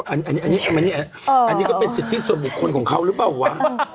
อันนี้อันนี้ก็เป็นสิทธิส่วนบุคคลของเขาหรือเปล่าวะ